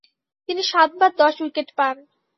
তিনি সাতবার দশ উইকেট পান।